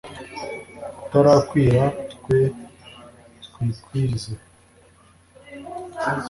utarakwira twe twikwize